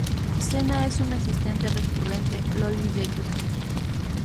Sena es una asistente recurrente loli de Yūki.